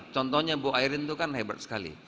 contohnya bu ayrin itu kan hebat sekali